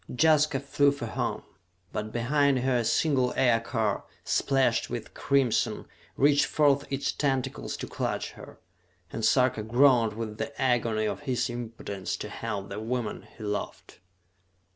Jaska flew for home; but behind her a single aircar, splashed with crimson, reached forth its tentacles to clutch her and Sarka groaned with the agony of his impotence to help the woman he loved.